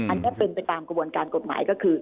อันนี้เป็นไปตามกระบวนการกฎหมายก็คือ